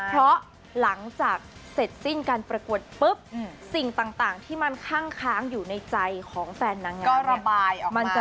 เพราะหลังจากเสร็จสิ้นการประกวดปุ๊บสิ่งต่างที่มันคั่งค้างอยู่ในใจของแฟนนางงามก็ระบายออกมา